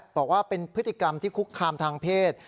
บอกว่าเป็นพฤติกรรมที่คุกคามทางเพศ